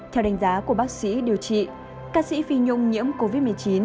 theo đánh giá của bác sĩ điều trị ca sĩ phi nhung nhiễm covid một mươi chín